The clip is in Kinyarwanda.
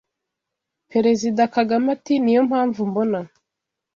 Perezida Kagame ati “Ni yo mpamvu mbona